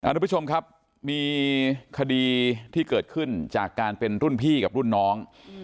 ทุกผู้ชมครับมีคดีที่เกิดขึ้นจากการเป็นรุ่นพี่กับรุ่นน้อง